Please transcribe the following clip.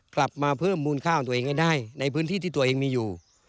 กลับมาเพิ่มมูลค่าของตัวเองให้ได้ในพื้นที่ที่ตัวเองมีอยู่